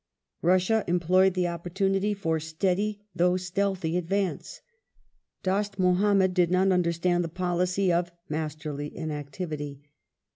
Russia employed the opportunity for steady though stealthy advance. Dost Muhammad did not understand the policy of " masterly inactivity